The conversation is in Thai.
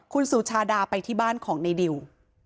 คุณสุชาดาไปที่บ้านของในดิว